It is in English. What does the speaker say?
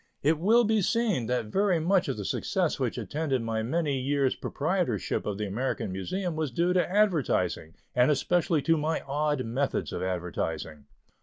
It will be seen that very much of the success which attended my many years proprietorship of the American Museum was due to advertising, and especially to my odd methods of advertising.